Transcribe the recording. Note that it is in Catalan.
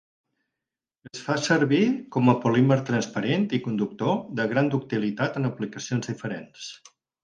Es fa servir com a polímer transparent i conductor de gran ductilitat en aplicacions diferents.